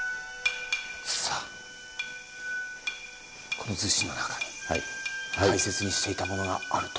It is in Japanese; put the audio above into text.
この厨子の中に大切にしていたものがあると。